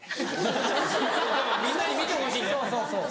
みんなに見てほしいんだよね。